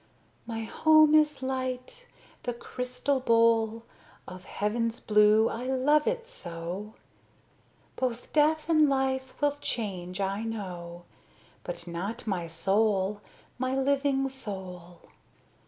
My home is Light. The crystal bowl Of Heaven's blue, I love it so! Both Death and Life will change, I know, But not my soul, my living soul.